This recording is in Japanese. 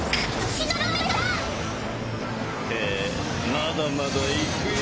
まだまだいくよ。